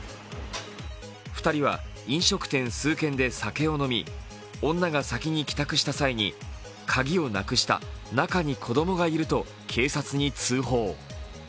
２人は飲食店数軒で酒を飲み、女が先に帰宅した際に鍵をなくした、中に子供がいると警察に通報。